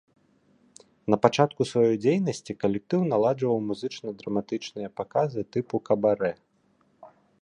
Напачатку сваёй дзейнасці калектыў наладжваў музычна-драматычныя паказы тыпу кабарэ.